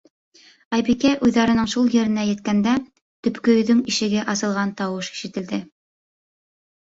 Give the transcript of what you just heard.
Айбикә уйҙарының шул еренә еткәндә, төпкө өйҙөң ишеге асылған тауыш ишетелде.